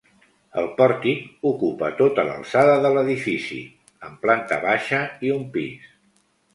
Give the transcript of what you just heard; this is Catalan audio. El pòrtic ocupa tota l'alçada de l'edifici, amb planta baixa i un pis.